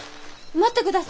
待ってください。